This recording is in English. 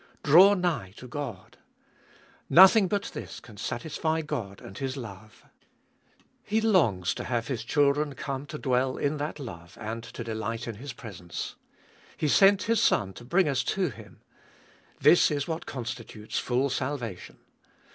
Draw nigh to God ! Nothing but this can satisfy God and His love. He longs to have His children come to dwell in that love, and to delight in His presence. He sent His Son to bring us to Him. This is what constitutes full salvation.